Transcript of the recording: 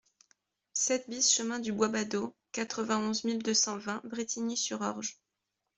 sept BIS chemin du Bois Badeau, quatre-vingt-onze mille deux cent vingt Brétigny-sur-Orge